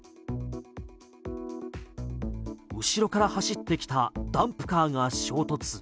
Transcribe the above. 後ろから走ってきたダンプカーが衝突。